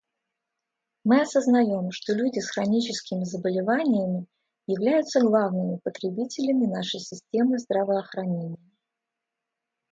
Мы осознаем, что люди с хроническими заболеваниями являются главными потребителями нашей системы здравоохранения.